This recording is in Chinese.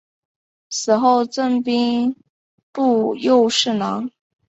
死后赠兵部右侍郎。